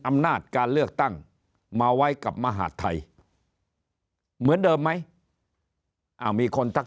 อำนาจการเลือกตั้งมาไว้กับมหาดไทยเหมือนเดิมไหมมีคนทัก